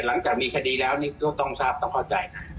หลังจากมีคดีแล้วนี่ก็ต้องทราบต้องเข้าใจ